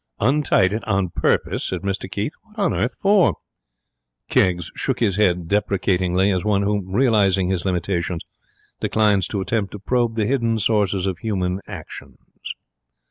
'Untied it on purpose?' said Mr Keith. 'What on earth for?' Keggs shook his head deprecatingly, as one who, realizing his limitations, declines to attempt to probe the hidden sources of human actions.